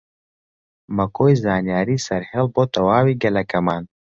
مەکۆی زانیاری سەرهێڵ بۆ تەواوی گەلەکەمان